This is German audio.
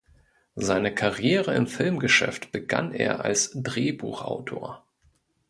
Seine Karriere im Filmgeschäft begann er als Drehbuchautor.